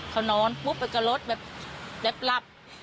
เขานอนปุ๊บไปกับรถแบบแลบ